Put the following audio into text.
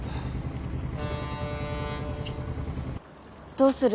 どうする？